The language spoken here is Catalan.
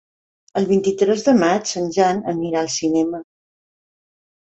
El vint-i-tres de maig en Jan anirà al cinema.